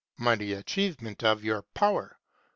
Mighty achievement of your power !